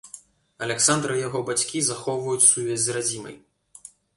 Аляксандр і яго бацькі захоўваюць сувязь з радзімай.